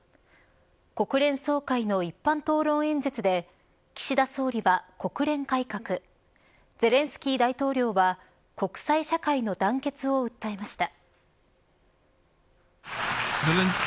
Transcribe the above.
国連総会の一般討論演説で岸田総理は、国連改革ゼレンスキー大統領は国際社会の団結を訴えました。